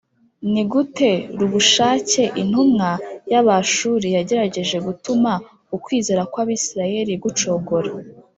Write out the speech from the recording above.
Ni gute Rabushake intumwa y Abashuri yagerageje gutuma ukwizera kw Abisirayeli gucogora